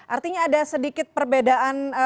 artinya ada sedikit perbedaan